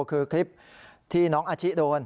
คือคลิปที่น้องอาชิโดน